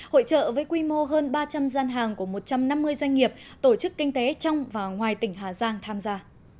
hội trợ với quy mô hơn ba trăm linh gian hàng của một trăm năm mươi doanh nghiệp tổ chức kinh tế trong và ngoài tỉnh hà giang tham gia